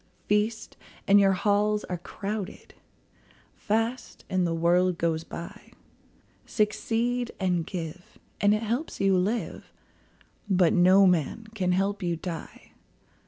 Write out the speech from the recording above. Feast, and your halls are crowded; Fast, and the world goes by. Succeed and give, and it helps you live, But no man can help you die.